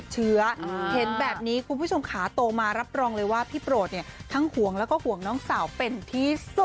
เห็นแบบนี้คุณผู้ชมขาโตมารับรองเลยว่าพี่โปรดเนี่ยทั้งห่วงแล้วก็ห่วงน้องสาวเป็นที่สุด